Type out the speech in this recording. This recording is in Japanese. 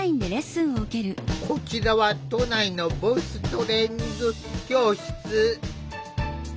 こちらは都内のボイストレーニング教室。